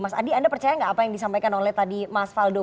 mas adi anda percaya nggak apa yang disampaikan oleh tadi mas faldo